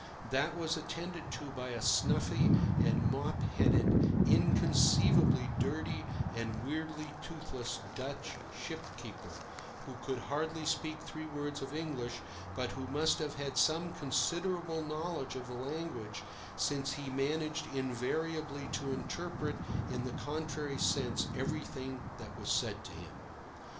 That was attended to by a snuffy and mop headed, inconceivably dirty, and weirdly toothless Dutch ship keeper, who could hardly speak three words of English, but who must have had some considerable knowledge of the language, since he managed invariably to interpret in the contrary sense everything that was said to him.